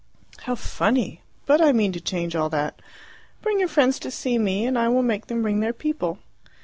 "How funny! But I mean to change all that. Bring your friends to see me, and I will make them bring their people."